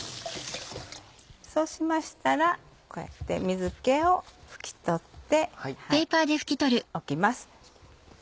そうしましたらこうやって水気を拭き取っておきます。